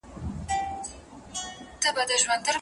فقهاوو د دي مسئلې تفصيل ليکلی دی.